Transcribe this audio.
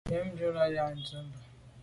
Yen ju là be à ndù.